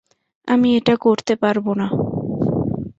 আমি এটা করতে পারবো না।